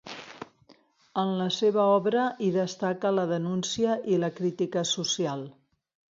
En la seva obra hi destaca la denúncia i la crítica social.